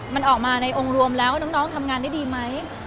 มันออกมาในองค์รวมแล้วน้องทำงานได้ดีไหม